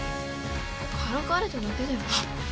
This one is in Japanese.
からかわれただけだよな。